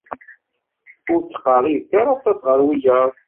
Ur ttqerribet ara aṭas ɣer wiyaḍ.